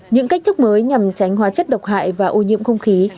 những cách thức mới nhằm tránh hóa chất độc hại và ô nhiễm không khí